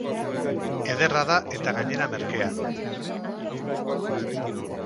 Ederra da eta gainera merkea.